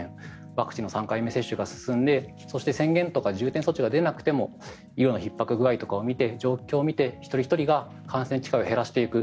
ワクチンの３回目接種が進んでそして、宣言とか重点措置とかが出なくても医療のひっ迫具合とか状況を見て一人ひとりが感染の力を減らしていく。